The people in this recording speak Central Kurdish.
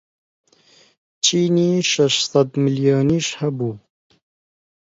چینی شەشسەد ملیۆنیش هەبوو